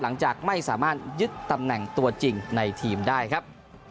หลังจากไม่สามารถยึดตำแหน่งตัวจริงในทีมได้ครับ